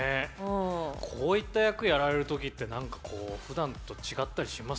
こういった役やられる時って何かこうふだんと違ったりします？